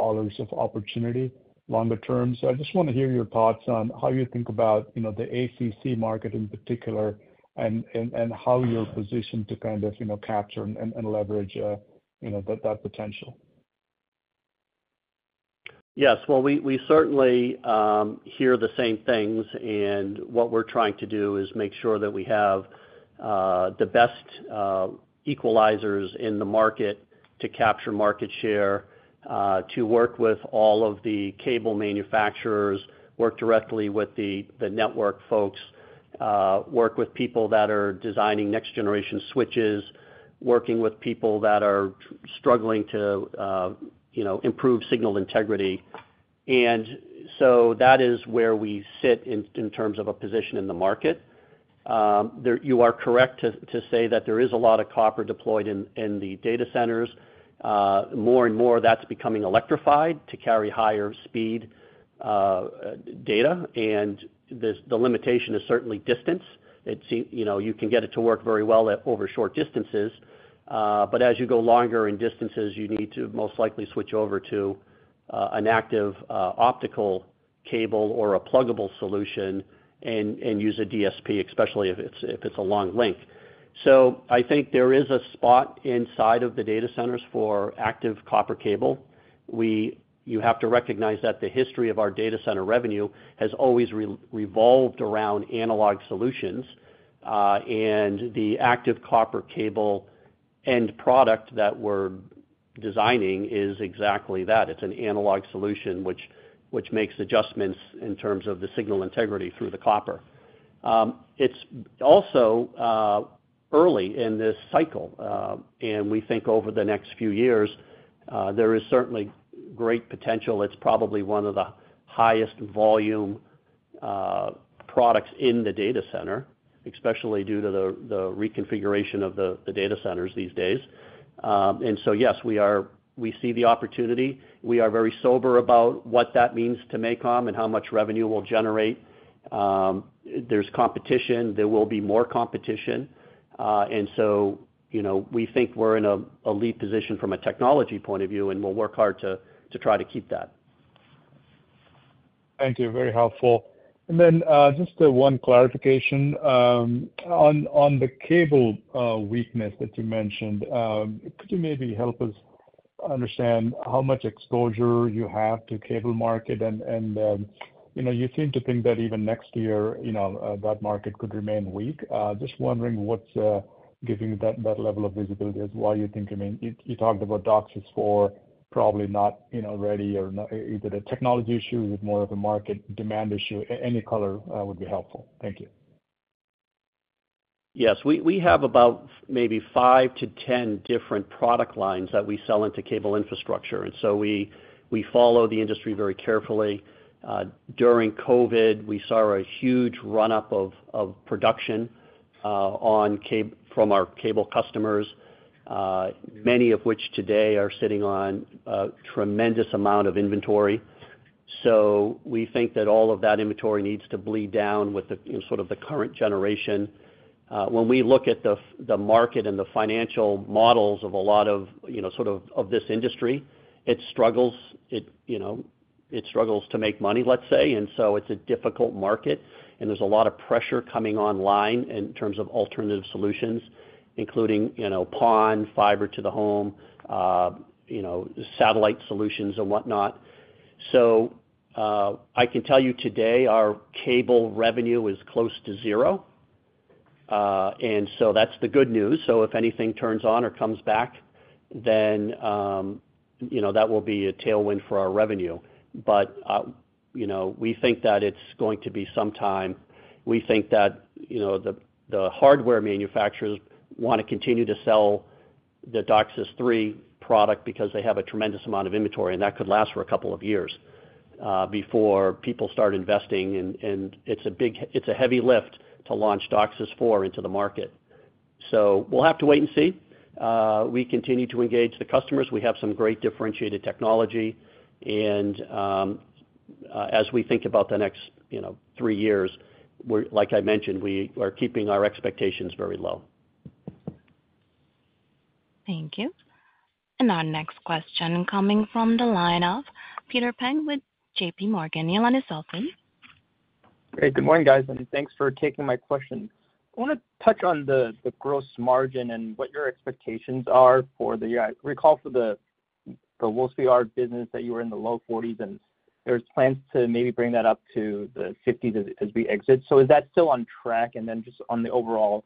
J: opportunity longer term. So I just wanna hear your thoughts on how you think about, you know, the ACC market in particular, and how you're positioned to kind of, you know, capture and leverage, you know, that potential.
C: Yes. Well, we certainly hear the same things, and what we're trying to do is make sure that we have the best equalizers in the market to capture market share, to work with all of the cable manufacturers, work directly with the network folks, work with people that are designing next generation switches, working with people that are struggling to, you know, improve signal integrity. And so that is where we sit in terms of a position in the market. There, you are correct to say that there is a lot of copper deployed in the data centers. More and more, that's becoming electrified to carry higher speed data. The limitation is certainly distance. You know, you can get it to work very well over short distances, but as you go longer in distances, you need to most likely switch over to an active optical cable or a pluggable solution and use a DSP, especially if it's a long link. So I think there is a spot inside of the data centers for active copper cable. You have to recognize that the history of our Data Center revenue has always revolved around analog solutions, and the active copper cable end product that we're designing is exactly that. It's an analog solution, which makes adjustments in terms of the signal integrity through the copper. It's also early in this cycle. And we think over the next few years, there is certainly great potential. It's probably one of the highest volume products in the data center, especially due to the reconfiguration of the data centers these days. And so yes, we see the opportunity. We are very sober about what that means to MACOM and how much revenue we'll generate. There's competition. There will be more competition. And so, you know, we think we're in a lead position from a technology point of view, and we'll work hard to try to keep that.
J: Thank you. Very helpful. And then, just one clarification on the cable weakness that you mentioned. Could you maybe help us understand how much exposure you have to cable market? And, you know, you seem to think that even next year, you know, that market could remain weak. Just wondering what's giving you that level of visibility as to why you think, I mean, you talked about DOCSIS 4, probably not, you know, ready or not—is it a technology issue? Is it more of a market demand issue? Any color would be helpful. Thank you.
C: Yes, we have about maybe 5-10 different product lines that we sell into cable infrastructure, and so we follow the industry very carefully. During COVID, we saw a huge run-up of production from our cable customers, many of which today are sitting on a tremendous amount of inventory. So we think that all of that inventory needs to bleed down with the, you know, sort of the current generation. When we look at the market and the financial models of a lot of, you know, sort of, of this industry, it struggles. You know, it struggles to make money, let's say, and so it's a difficult market, and there's a lot of pressure coming online in terms of alternative solutions, including, you know, PON, fiber to the home, you know, satellite solutions and whatnot. So, I can tell you today, our cable revenue is close to zero, and so that's the good news. So if anything turns on or comes back, then, you know, that will be a tailwind for our revenue. But, you know, we think that it's going to be some time. We think that, you know, the hardware manufacturers wanna continue to sell the DOCSIS 3 product because they have a tremendous amount of inventory, and that could last for a couple of years before people start investing. And it's a heavy lift to launch DOCSIS 4 into the market. So we'll have to wait and see. We continue to engage the customers. We have some great differentiated technology, and, as we think about the next, you know, three years, we're—like I mentioned, we are keeping our expectations very low.
A: Thank you. Our next question coming from the line of Peter Peng with J.P. Morgan. Your line is open.
K: Great. Good morning, guys, and thanks for taking my question. I wanna touch on the gross margin and what your expectations are for the year. I recall for the Wolfspeed business, that you were in the low 40s%, and there's plans to maybe bring that up to the 50s% as we exit. So is that still on track? And then just on the overall,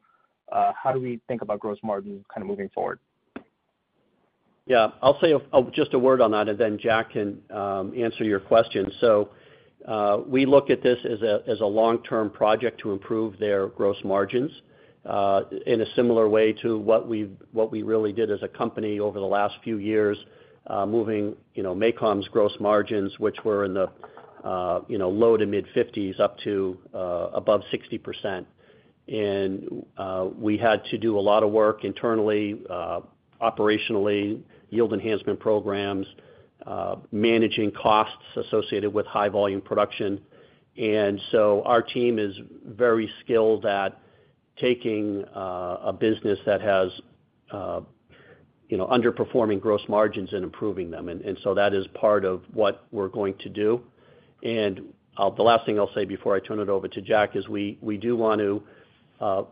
K: how do we think about gross margin kind of moving forward?
C: Yeah. I'll say just a word on that, and then Jack can answer your question. So, we look at this as a long-term project to improve their gross margins in a similar way to what we really did as a company over the last few years, moving, you know, MACOM's gross margins, which were in the, you know, low-to-mid 50s up to above 60%. And we had to do a lot of work internally, operationally, yield enhancement programs, managing costs associated with high volume production. And so our team is very skilled at taking a business that has, you know, underperforming gross margins and improving them. And so that is part of what we're going to do. The last thing I'll say before I turn it over to Jack is we do want to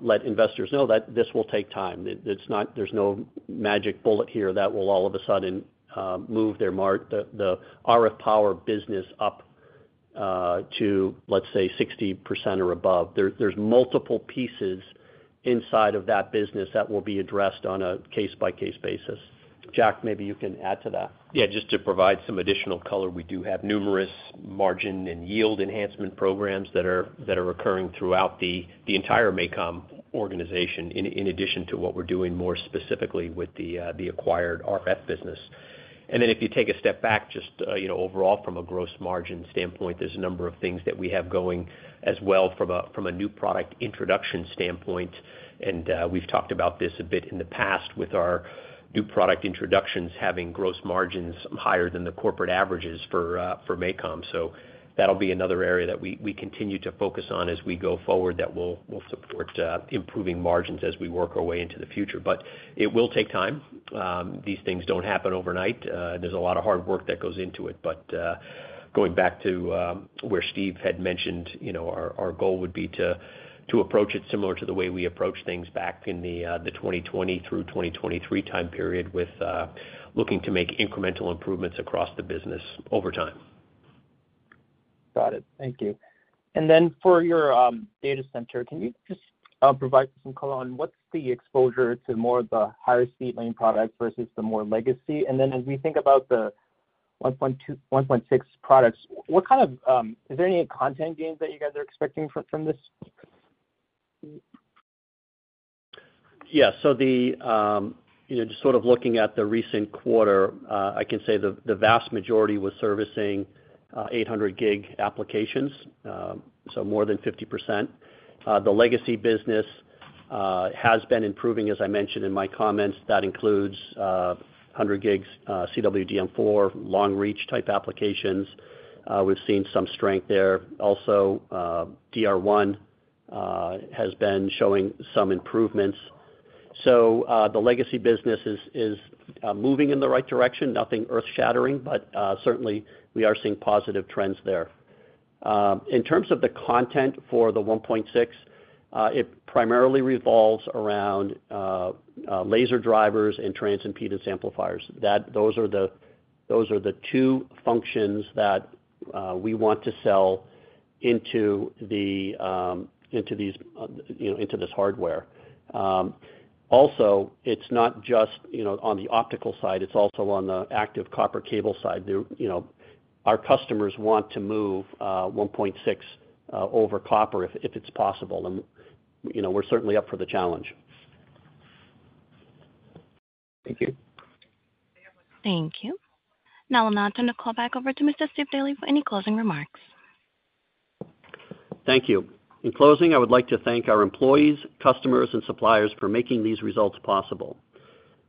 C: let investors know that this will take time. It's not - there's no magic bullet here that will all of a sudden move their margins - the RF power business up to, let's say, 60% or above. There's multiple pieces inside of that business that will be addressed on a case-by-case basis. Jack, maybe you can add to that.
D: Yeah, just to provide some additional color, we do have numerous margin and yield enhancement programs that are occurring throughout the entire MACOM organization, in addition to what we're doing more specifically with the acquired RF business. And then if you take a step back, just you know, overall from a gross margin standpoint, there's a number of things that we have going as well from a new product introduction standpoint. And we've talked about this a bit in the past with our new product introductions having gross margins higher than the corporate averages for MACOM. So that'll be another area that we continue to focus on as we go forward, that will support improving margins as we work our way into the future. But it will take time. These things don't happen overnight. There's a lot of hard work that goes into it, but going back to where Steve had mentioned, you know, our goal would be to approach it similar to the way we approached things back in the 2020 through 2023 time period with looking to make incremental improvements across the business over time.
K: Got it. Thank you. And then for your Data Center, can you just provide some color on what's the exposure to more of the higher speed lane products versus the more legacy? And then as we think about the 1.2-1.6 products, what kind of is there any content gains that you guys are expecting from this?
C: Yeah. So the, you know, just sort of looking at the recent quarter, I can say the, the vast majority was servicing 800G applications, so more than 50%. The legacy business has been improving, as I mentioned in my comments. That includes 100G, CWDM4, long reach type applications. We've seen some strength there. Also, DR1 has been showing some improvements. So, the legacy business is moving in the right direction. Nothing earth shattering, but certainly we are seeing positive trends there. In terms of the content for the 1.6T, it primarily revolves around laser drivers and transimpedance amplifiers. Those are the two functions that we want to sell into the, into these, you know, into this hardware. Also, it's not just, you know, on the optical side, it's also on the active copper cable side. There, you know, our customers want to move 1.6 over copper if it's possible. You know, we're certainly up for the challenge.
K: Thank you.
A: Thank you. Now I'll now turn the call back over to Mr. Steve Daly for any closing remarks.
C: Thank you. In closing, I would like to thank our employees, customers, and suppliers for making these results possible.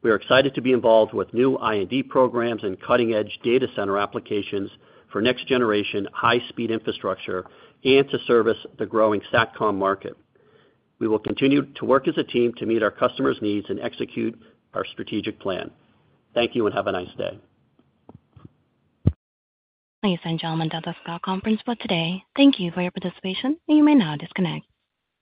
C: We are excited to be involved with new R&D programs and cutting-edge data center applications for next generation high-speed infrastructure and to service the growing SatCom market. We will continue to work as a team to meet our customers' needs and execute our strategic plan. Thank you, and have a nice day.
A: Ladies and gentlemen, that's our conference for today. Thank you for your participation, and you may now disconnect.